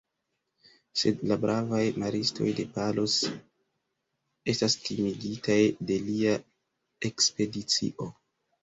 Sed la bravaj maristoj de Palos estas timigitaj de lia ekspedicio.